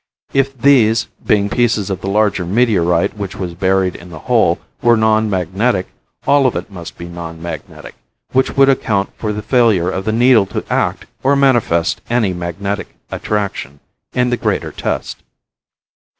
If these, being pieces of the larger meteorite which was buried in the hole, were non magnetic, all of it must be non magnetic, which would account for the failure of the needle to act or manifest any magnetic attraction in the greater test.